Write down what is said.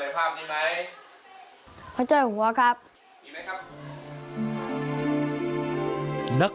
ติดตามได้จากรายงานพิเศษชิ้นนี้นะคะ